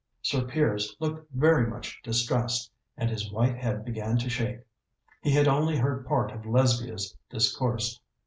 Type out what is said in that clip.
Sir Piers looked very much distressed, and his white head began to shake. He had only heard part of Lesbia's discourse.